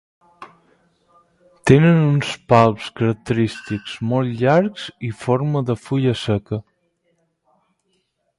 Tenen uns palps característics, molt llargs, i forma de fulla seca.